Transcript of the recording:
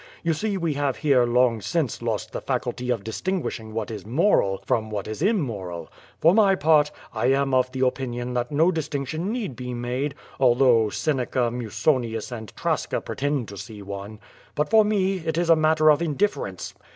You see we have here long since lost the faculty of distinguishing what is moral from what is immoral. For my part, I am of the opinion that no distinc tion need be made, although Seneca, Musonius and Trasca pretend to see one. But for me it is a matter of indifference.